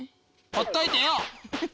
ほっといてよ！